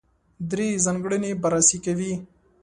درې ځانګړنې بررسي کوي.